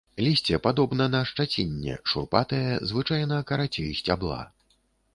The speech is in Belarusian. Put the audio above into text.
Лісце падобна на шчацінне, шурпатае, звычайна карацей сцябла.